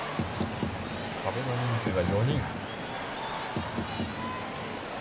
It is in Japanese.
壁の人数は４人。